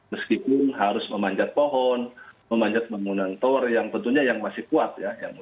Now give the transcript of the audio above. meskipun harus memanjat pohon memanjat bangunan tower yang tentunya yang masih kuat ya